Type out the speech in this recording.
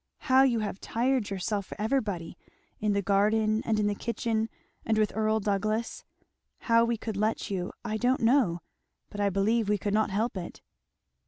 How you have tired yourself for everybody in the garden and in the kitchen and with Earl Douglass how we could let you I don't know, but I believe we could not help it."